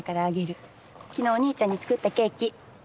昨日お兄ちゃんに作ったケーキ。